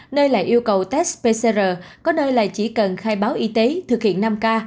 nơi lại yêu cầu test pcr có nơi là chỉ cần khai báo y tế thực hiện năm k